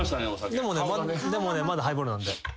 でもねまだハイボールなんで。